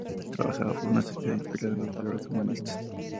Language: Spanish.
Trabajaba por una sociedad inspirada en los valores humanistas.